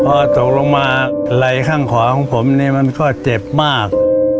พอตกลงมาไหล่ข้างขวาของผมนี่มันก็เจ็บมาก